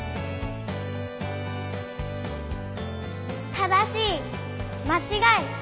「正しい」「まちがい」。